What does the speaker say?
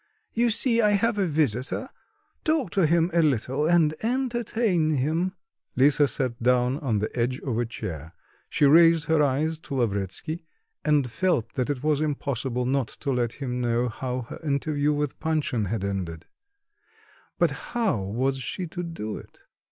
You see I have a visitor; talk to him a little, and entertain him." Lisa sat down on the edge of a chair; she raised her eyes to Lavretsky and felt that it was impossible not to let him know how her interview with Panshin had ended. But how was she to do it?